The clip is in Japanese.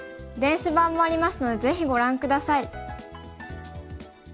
電子版もありますのでぜひご覧下さい。